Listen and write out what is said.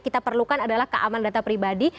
kita perlukan adalah keamanan data pribadi